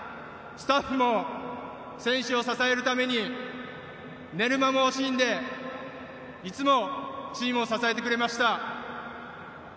スタッフも選手を支えるために寝る間も惜しんで、いつもチームを支えてくれました。